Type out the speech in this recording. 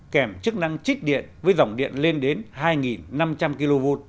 kèm chức năng trích điện với dòng điện lên đến hai năm trăm linh kv